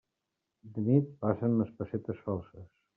De nit, passen les pessetes falses.